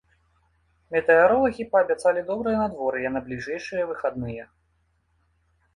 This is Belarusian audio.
Метэаролагі паабяцалі добрае надвор'е на бліжэйшыя выхадныя.